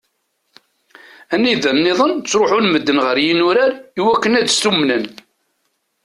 Anda-nniḍen ttruḥun medden ɣer yinurar i wakken ad stummnen.